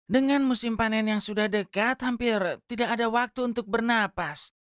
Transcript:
dengan musim panen yang sudah dekat hampir tidak ada waktu untuk bernapas